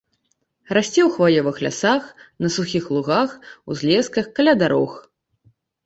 Расце ў хваёвых лясах, на сухіх лугах, узлесках, каля дарог.